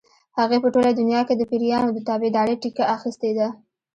هغې په ټوله دنیا کې د پیریانو د تابعدارۍ ټیکه اخیستې ده.